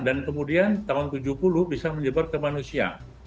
dan kemudian tahun tujuh puluh bisa menyebar ke manusia